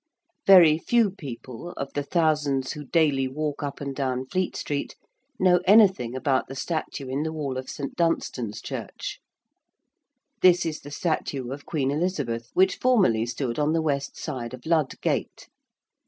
Very few people, of the thousands who daily walk up and down Fleet Street, know anything about the statue in the wall of St. Dunstan's Church. This is the statue of Queen Elizabeth which formerly stood on the west side of Lud Gate.